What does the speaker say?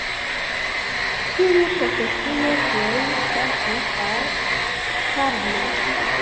Kiu profesio plej plaĉis al Karlo?